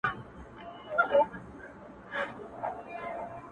o زما په مرگ دي خوشالي زاهدان هيڅ نکوي ـ